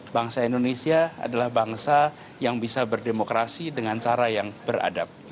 bangsa indonesia adalah bangsa yang bisa berdemokrasi dengan cara yang beradab